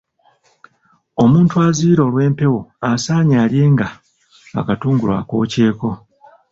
Omuntu aziyira olw'empewo asaanye alyenga akatungulu akookyeko.